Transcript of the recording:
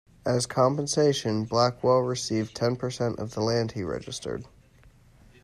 As compensation, Blackwell received ten percent of the land he registered.